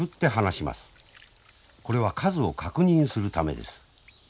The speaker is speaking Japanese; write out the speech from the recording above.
これは数を確認するためです。